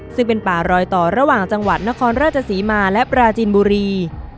ซึ่งเป็นป่ารอยต่อระหว่างจังหวัดนครราชศรีมาและปราจินบุรี